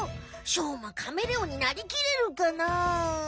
しょうまカメレオンになりきれるかな？